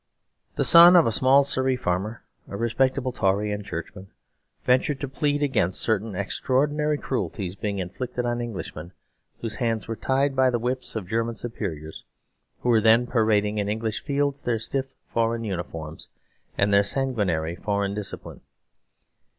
The son of a small Surrey farmer, a respectable Tory and churchman, ventured to plead against certain extraordinary cruelties being inflicted on Englishmen whose hands were tied, by the whips of German superiors; who were then parading in English fields their stiff foreign uniforms and their sanguinary foreign discipline.